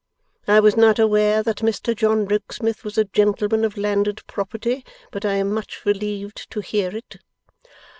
I was not aware that Mr John Rokesmith was a gentleman of landed property. But I am much relieved to hear it.